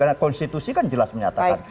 karena konstitusi kan jelas menyatakan